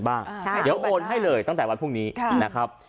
บ้างค่ะเดี๋ยวโอนให้เลยตั้งแต่วันพรุ่งนี้ค่ะนะครับ